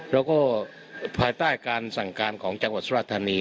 แล้วก็ภายใต้การสั่งการของจังหวัดสุราธานี